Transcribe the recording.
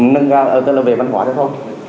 nâng cao tất cả về văn hóa thôi